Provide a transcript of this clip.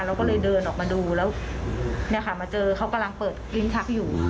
เราก็เลยเดินออกมาดูแล้วเนี่ยค่ะมาเจอเขากำลังเปิดลิ้นชักอยู่